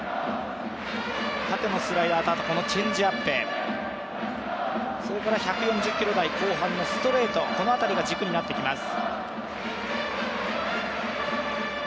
縦のスライダーとこのチェンジアップ、それから１４０キロ台後半のストレート、この辺りが軸になってきます。